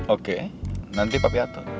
oke nanti papi atur